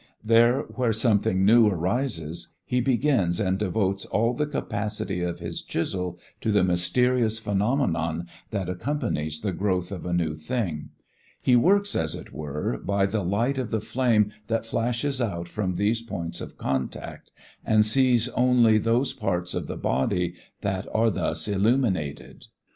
There where something new arises, he begins and devotes all the capacity of his chisel to the mysterious phenomenon that accompanies the growth of a new thing. He works, as it were, by the light of the flame that flashes out from these points of contact, and sees only those parts of the body that are thus illuminated.